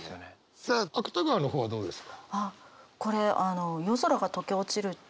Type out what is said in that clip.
さあ芥川の方はどうですか？